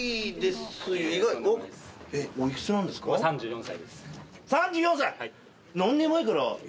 ３４歳！